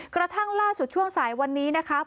กระทั่งล่าสุดช่วงสายวันนี้นะครับ